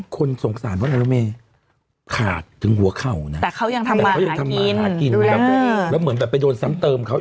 คนสงสารว่าคาดถึงหัวเขาแต่เขายังทำมาหากินแล้วเหมือนแบบไปโดนซ้ำเติมเขา